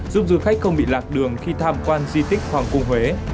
giúp du khách không bị lạc đường khi tham quan di tích hoàng cung huế